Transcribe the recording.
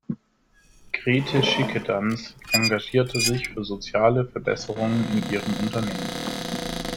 Grete Schickedanz engagierte sich für soziale Verbesserungen in ihrem Unternehmen.